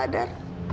aku t barkings